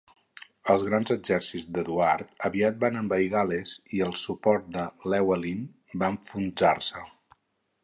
Els grans exèrcits d'Eduard aviat van envair Gal·les i el suport de Llewellyn va enfonsar-se.